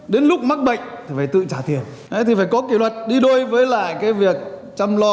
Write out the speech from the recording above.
đến lúc mắc bệnh thì phải tự trả tiền thì phải có kỷ luật đi đôi với lại cái việc chăm lo